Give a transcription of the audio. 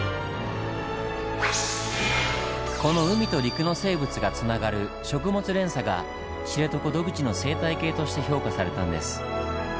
この海と陸の生物がつながる食物連鎖が知床独自の生態系として評価されたんです。